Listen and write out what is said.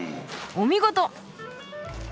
お見事！